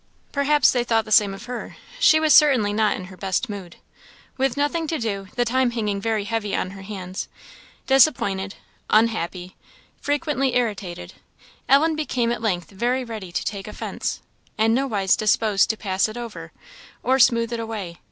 Perhaps they thought the same of her she was certainly not in her best mood. With nothing to do, the time hanging very heavy on her hands, disappointed, unhappy, frequently irritated, Ellen became at length very ready to take offence, and nowise disposed to pass it over, or smooth it away.